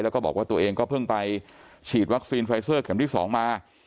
แล้วก็บอกว่าตัวเองก็เพิ่งไปฉีดวัคซีนไฟเซอร์เข็มที่๒มา